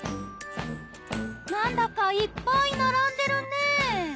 なんだかいっぱい並んでるね。